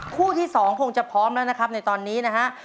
คู่ที่๒คงจะพร้อมแล้วนะครับในตอนนี้นะฮะ